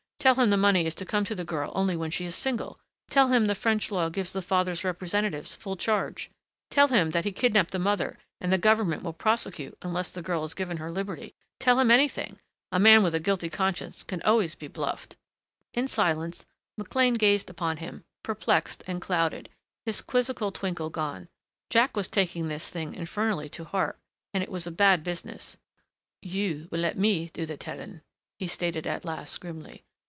Tell him the money is to come to the girl only when she is single. Tell him the French law gives the father's representatives full charge. Tell him that he kidnapped the mother and the government will prosecute unless the girl is given her liberty. Tell him anything. A man with a guilty conscience can always be bluffed." In silence McLean gazed upon him, perplexed and clouded, his quizzical twinkle gone. Jack was taking this thing infernally to heart.... And it was a bad business. "You will let me do the telling," he stated at last, grimly.